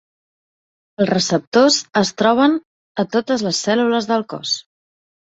Els receptors es troben a totes les cèl·lules del cos.